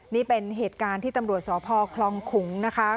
นี่เป็นเหตุการณ์ที่ตำรวจสพคลองขุงนะคะ